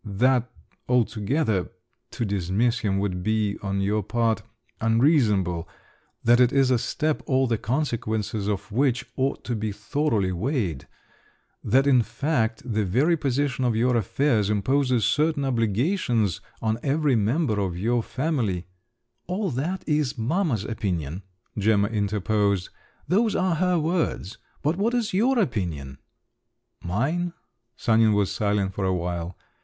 "That … altogether … to dismiss him, would be, on your part … unreasonable; that it is a step, all the consequences of which ought to be thoroughly weighed; that in fact the very position of your affairs imposes certain obligations on every member of your family …" "All that is mamma's opinion," Gemma interposed; "those are her words; but what is your opinion?" "Mine?" Sanin was silent for a while.